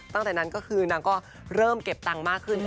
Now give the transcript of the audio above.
ตั้งแต่นั้นก็คือนางก็เริ่มเก็บตังค์มากขึ้น